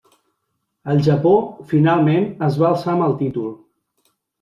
El Japó, finalment, es va alçar amb el títol.